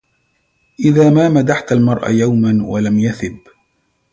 إذا ما مدحت المرء يوما ولم يثب